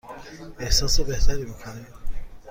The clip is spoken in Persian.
احساس بهتری می کنید؟